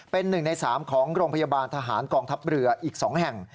เป็น๑ใน๓ของโรงพยาบาลทหารกองทัพเรืออีก๒แห่ง